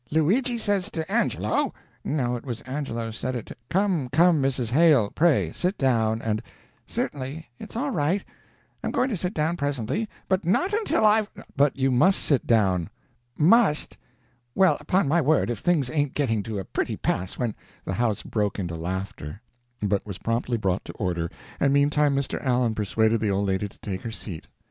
Luigi says to Angelo no, it was Angelo said it to " "Come, come, Mrs. Hale, pray sit down, and " "Certainly, it's all right, I'm going to sit down presently, but not until I've " "But you must sit down!" "Must! Well, upon my word if things ain't getting to a pretty pass when " The house broke into laughter, but was promptly brought to order, and meantime Mr. Allen persuaded the old lady to take her seat.